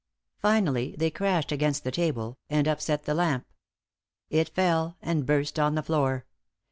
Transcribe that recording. Finally, they crashed against the table, and upset the lamp it fell and burst on the floor.